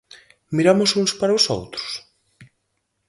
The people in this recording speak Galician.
¿Miramos uns para os outros?